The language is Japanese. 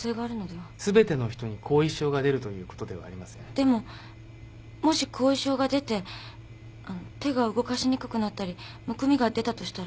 でももし後遺症が出てあの手が動かしにくくなったりむくみが出たとしたら。